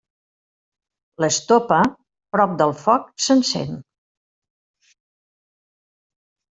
L'estopa, prop del foc, s'encén.